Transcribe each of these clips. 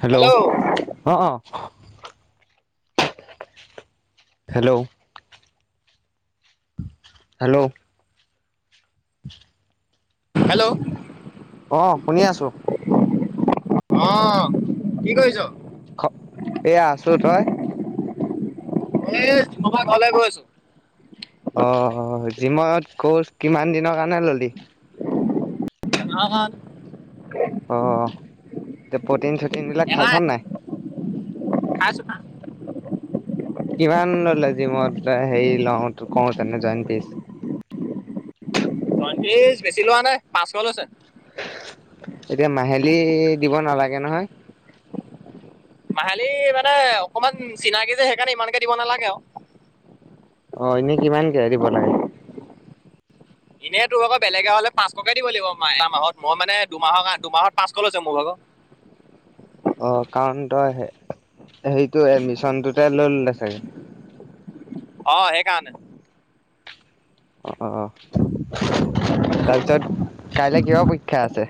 Hello অ অ hello hello [unintelligible] hello অ শুনি আছো অ কি কৰিছ খ এইয়া আছো তই এ ডিব্ৰুগড় ঘৰলে গৈ আছো অ জিমত কৰ্চ কিমান দিনৰ কাৰণে ল'লি আহ কন অ প্ৰটিন চটিন বিলাক খাইছ নাই খাইছোঁ খা কিমান ল'লে জিমত হেৰি লওঁ কওঁ তেনে জইন কৰিছে পয়ত্ৰিশ বেছি লোৱা নাই পাঁচশ লৈছে এতিয়া মাহেলী দিব নালাগে নহয় মাহেলি মানে অকমান চিনাকি যে সেইকাৰণে ইমানকে দিব নালাগে আও অ এনেই কিমানকে দিব লাগে এনেই তোৰ ভাগৰ বেলেগে হলে পাঁশকে দিব লাগিব ম এটা মাহত মই মানে দুমাহৰ দুমাহত পাঁচশ লৈছো মোৰ ভাগৰ। অ কাৰণ তই হেৰিটো এডমিশনটোতে লৈ ললে চাগে। অ সেই কাৰনে। অ তাৰপিছত কাইলে কিহ পৰীক্ষা আছে।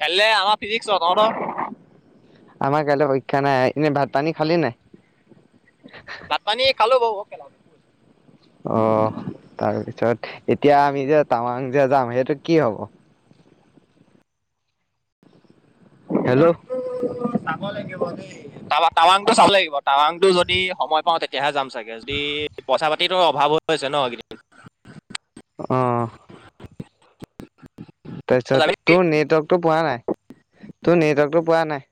কাইলে আমা ফিজিকছ তহঁতৰ। আমাৰ কাইলৈ পৰীক্ষা নাই এনে ভাত পানী খালি নাই। ভাত পানীয়ে খালো বাও। অ তাৰপিছত এতিয়া আমি যে তামাং যে যাম সেইটো কি হব। হেল্ল'। [inaudible] চাব লাগিব দেই। টাৱা টাৱাং টো চাব লাগিব টাৱাং টো যদি সময় পাওঁ তেতিয়াহে যাম। চাগে যদি পইচা পাতিৰ অভাৱ হৈছে ন এইকেদি। অ। তই যাবি তাৰপিছত নেকি? তোৰ নেটৱৰ্কটো পোৱা নাই তোৰ নেটৱৰ্কটো পোৱা নাই।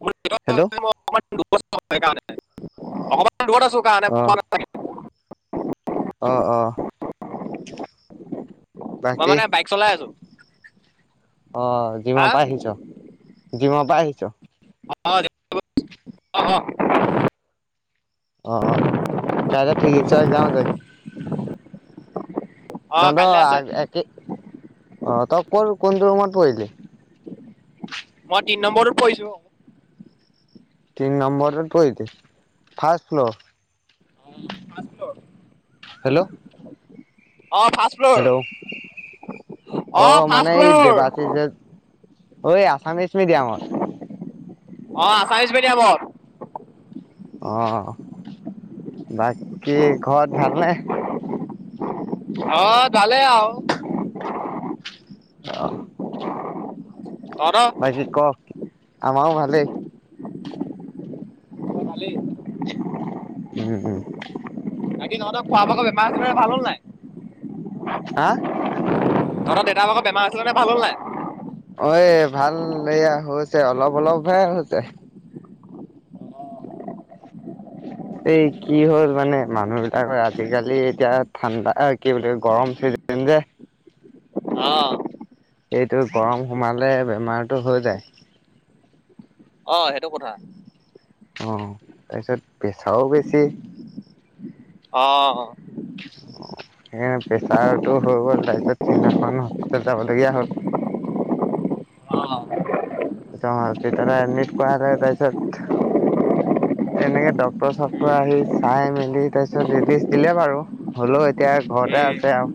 মোৰ হেল্ল'। [inaudible] সেইকাৰণে অকমান দূৰত আছো কাৰণে অ', পোৱা। চাগে। অ অ। মই বাকী মানে বাইক চলাই আছো। অ জিম হা পা আহিছ জিম পা আহিছ। [inaudible] অ অ অ কাইলৈ ফিজিক্সৰ একজাম যে। অ কাইলৈ আছে তহতৰ [inaudible] একে অ তই ক কোনটো ৰুমত পৰিলি। মই তিন নম্বৰৰত পৰিছো। তিনি নম্বৰ টোত পৰিলি ফাৰ্ষষ্ট ফ্ল'ৰ। উম ফাৰ্ষষ্ট ফ্ল'ৰ। হেল্ল'। অ ফাছ। হেল্ল' অ অঁ ফাৰ্ষ্ট মানে এই ফ্ল'ৰ দেবাচিচ যে। অ এই আছামিছ মিডিয়ামত। অ আচামিচ মিডিয়ামত। অ বাকী ঘৰত ভালনে। অ ভালে আও। অ। তহতৰ। বাকী ক আমাও ভালে। ভালে। উম উম। বাকি তহঁতৰ খোৱা বোৱা বেমাৰ আমাৰ ভাল হ'ল নাই। হা। তহতৰ দেউতাৰ ভাগৰ বেমাৰ আছিলে নহয় ভাল হ'ল নাই। অ এ ভাল এয়া হৈছে অলপ অলপহে হৈছে। এই কি হ'ল মানে মানুহ বিলাকৰ আজিকালি এতিয়া ঠাণ্ডা কি বুলি গৰম চিজ। সেন যে। অ। এইটো গৰম সোমালে বেমাৰটো হৈ যায়। অ সেইটো কথা। অঁ তাৰপিছত পেচাৰো বেছি। অ অ। অ হে প্ৰেছাৰটো হৈ গ'ল তাৰপিছত সিদিনাখন হস্পিতাল যাবলগীয়া হ'ল। তোমাৰ দেউতাৰাই এডমিট কৰাই দে তাৰপিছত এনেকে ডক্তৰ চক্টৰ আহি চাই মেলি তাৰপিছতৰি ৰিলিচ দিলে বাৰু। হ'লোও এতিয়া ঘৰতে আছে উম, আৰু।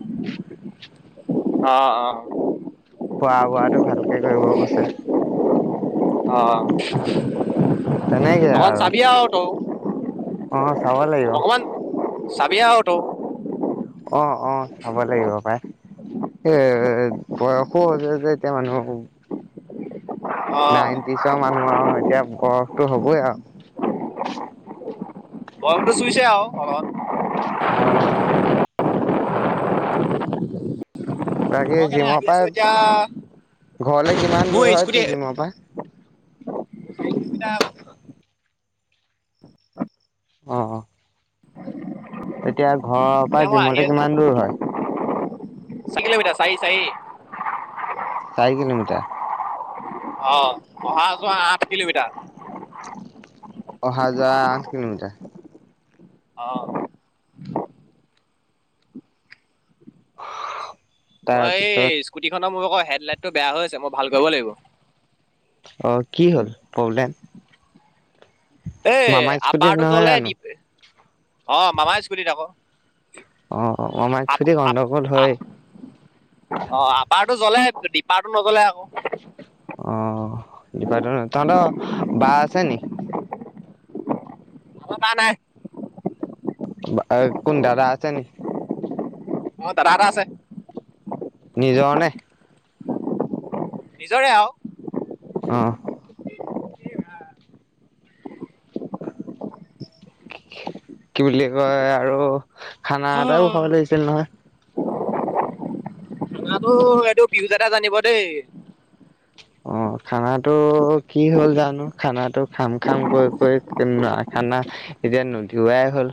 অ অ। খোৱা-বোৱাটো ভালকে কৰিব কৈছে। অ', অকমান চাবি আৰু তইয়ো। অ চাব লাগিব। চাবি আৰু তইয়ো। অ অ চাব লাগিব পায়। এ বয়সো হৈছে যে এতিয়া মানুহবোৰ অ', নাইনটিচৰ মানুহ আৰু এতিয়া বয়সটো হ'বই আৰু। গৰমটো চুইচে আৰু অ অলপ। বাকী মই কেনে জিমৰ আহি আছো পৰা এতিয়া ঘৰলে কিমান মোৰ দূৰ স্কুটি হয়তো জিমৰ পৰা। দুই মিটাৰ আকৌ। অ। এতিয়া ঘৰৰ পৰা এতিয়া মই আহি জিমলে আছো কিমান দূৰ হয়? চাৰি কিলোমিটাৰ চাৰি চাৰি। চাৰি কিলোমিটাৰ। অ অহা আকৌ আঠ কিলোমিটাৰ। অহা যোৱা আঠ কিলোমিটাৰ। অ। মই তাৰপিছত এই স্কুটি খনৰ মোৰ আকৌ হেডলাইটটো বেয়া হৈ আছে মই ভাল কৰিব লাগিব। অঁ কি হ'ল প্ৰব্লেম? এ মামাৰ স্কুটিত আপাৰটো নহয় জ্বলে জানো ডিপ অ মামাৰ স্কুটিত আকৌ অ মামাৰ স্কুটিত গণ্ডগোল হয়। অ আপাৰটো জ্বলে ডিপাৰটো নজ্বলে আকৌ। অ ডিপাৰটো, তহঁতৰ বা আছে নেকি? অ বা নাই। কোন দাদা আছে নেকি? মোৰ দাদা এটা আছে। নিজৰ নে? নিজৰে আৰু। অ। কি বুলি কয় আৰু খানা এটাও খাব লাগিছিল নহয়। খানা টো পীয়ুজ দাদা জানিব দেই। অ খানাটো কি হ'ল জানো খানা খাম খাম কৰি কৰি খানা এতিয়া নুধুৱাই হ'ল।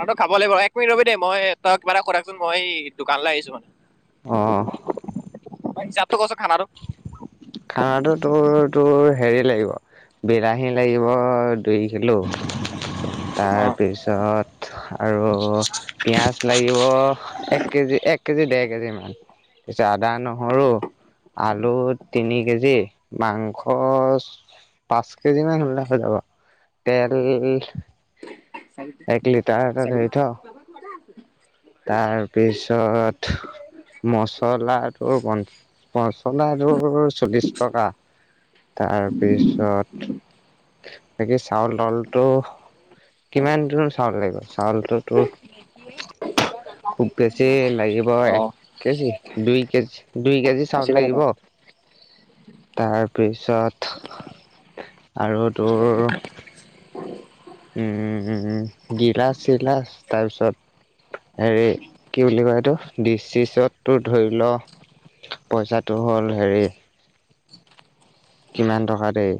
অ তোক খাব লাগিব এক মিনিট ৰ'বি দেই মই তই কিবা এটা কৈ থাকচোন মই দোকানলৈ আহিছো মানে। অঁ। হিচাপ টো কচোন খানাটো খানাটো তোৰ তোৰ হেৰি লাগিব বিলাহী লাগিব দুই কিলো অ তাৰপিছত আৰু। পিয়াজ লাগিব এক কেজি এক কেজি ডেৰ কেজি। পিছে আদা নহৰু। আলু তিনি কেজি মাংস। পাঁচ কেজি মান হলে হৈ যাব তেল [inaudible] চাবিটো এক লিটাৰ চাবিটো ধৰি থ। [unintelligible] তাৰপিছত। মচলাটোৰ প মচলাটোৰ চল্লিশ টকা। তাৰপিছত। বাকি চাউল তাউলটো। কিমান কিমান চাউল লাগিব চাউলটো তোৰ। খুব বেছি লাগিব অ এক। কেজি দুই কেজি দুই কেজি চাউল আশী টকা লাগিব। তাৰপিছত আৰু তোৰ। উম গিলাচ চিলাচ তাৰপিছত। হেৰি কি বুলি কয় এইটো দিছ চিছতটো ধৰি ল। পইচাটো হ'ল হেৰি। কিমান টকা দেই।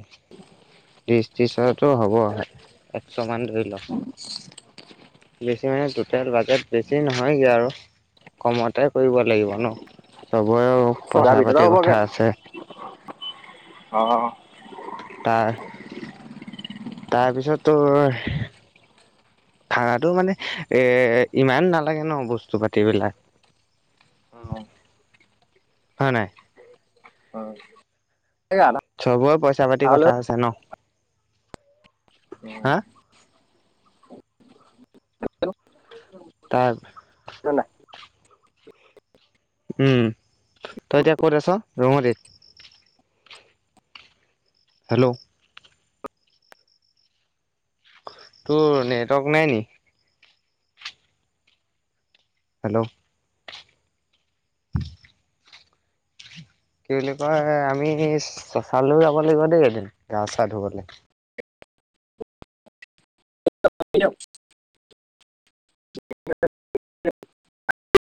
ত্ৰিছ ত্ৰিছৰতো হ'ব একশমান ধৰি ল। বেছি মানে টোটেল বাজেট বেছি নহয়গে আৰু। কমতে কৰিব লাগিব ন চবৰেও ছটাৰ পইচা ভিতৰতে পাতিৰ হ'বগে কথা আছে। অ। তাৰ তাৰপিছত তোৰ। ভাড়াটো টো মানে এ ইমান নালাগে ন বস্তু পাতিবিলাক। হয় নাই। হয়। চবৰে পইচা পাতিৰ কথা আছে ন হা। তাৰ। উম তই এতিয়া ক'ত আছ ৰুমতে। হেল্ল'। তোৰ নেটৱৰ্ক নাই নি। হেল্ল'। কি বুলি কয় আমি চালোন যাব লাগিব নেকি গা চা ধুবলে। [unintelligible] [unintelligible]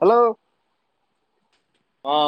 হেল্ল'। অঁ